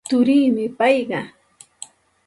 Turiimi payqa.